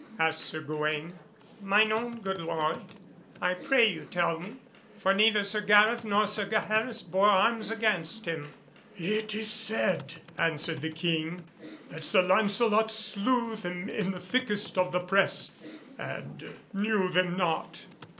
asked Sir Gawaine; "mine own good lord, I pray you tell me, for neither Sir Gareth nor Sir Gaheris bore arms against him." "It is said," answered the King, "that Sir Lancelot slew them in the thickest of the press and knew them not.